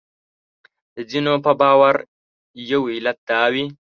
د ځینو په باور یو علت دا وي.